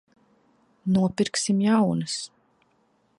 Nopirksim jaunas.